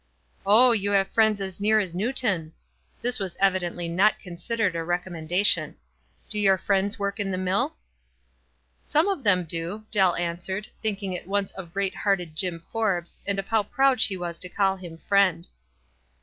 "Oh, you have friends as near as Newton." This was evidently not considered a recommen dation. "Do your friends work in the mill?" "Some of them do," Dell answered, thinking at once of great hearted Jim Forbes, and of how proud she was to call him "friend."